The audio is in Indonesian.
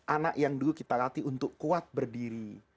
anak yang dulu kita latih untuk kuat berdiri